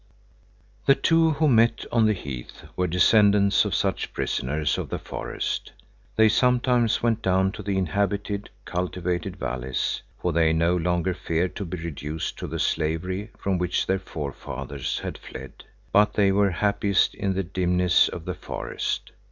The two who met on the heath were descendants of such prisoners of the forest. They sometimes went down to the inhabited, cultivated valleys, for they no longer feared to be reduced to the slavery from which their forefathers had fled, but they were happiest in the dimness of the forest.